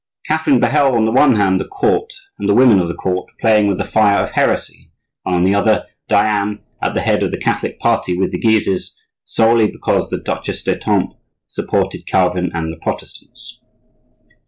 Catherine beheld on the one hand the court, and the women of the court, playing with the fire of heresy, and on the other, Diane at the head of the Catholic party with the Guises, solely because the Duchesse d'Etampes supported Calvin and the Protestants.